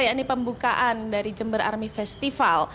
ya ini pembukaan dari jember army festival